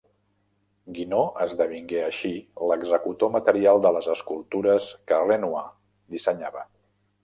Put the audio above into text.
Guinó esdevingué així l'executor material de les escultures que Renoir dissenyava.